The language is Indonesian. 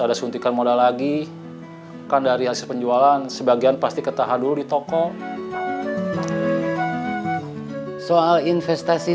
ada suntikan modal lagi kan dari hasil penjualan sebagian pasti ketahan dulu di toko soal investasi